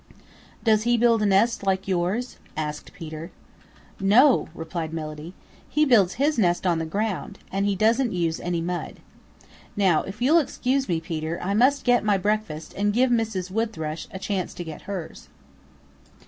"Does he build a nest like yours?" asked Peter. "No," replied Melody. "He builds his nest on the ground, and he doesn't use any mud. Now if you'll excuse me, Peter, I must get my breakfast and give Mrs. Wood Thrush a chance to get hers."